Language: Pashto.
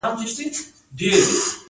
کنټرول د څه شي مخه نیسي؟